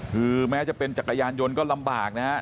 คือแม้จะเป็นจักรยานยนต์ก็ลำบากนะฮะ